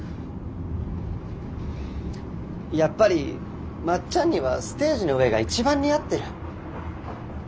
やっぱりまっちゃんにはステージの上が一番似合ってる。